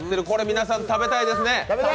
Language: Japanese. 皆さん食べたいですよね？